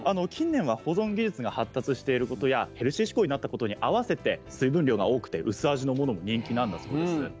近年は保存技術が発達していることやヘルシー志向になったことに合わせて水分量が多くて薄味のものも人気なんだそうです。